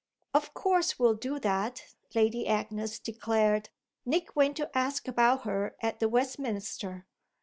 "Of course we'll do that," Lady Agnes declared. "Nick went to ask about her at the Westminster."